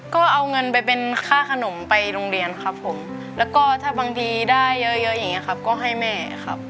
ก็เอาเงินไปเป็นค่าขนมไปโรงเรียนครับผมแล้วก็ถ้าบางทีได้เยอะเยอะอย่างนี้ครับก็ให้แม่ครับ